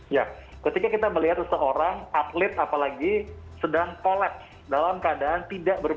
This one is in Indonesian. ya ketika kita melihat seorang atlet apalagi sedang kolaps dalam keadaan tidak berpengaruh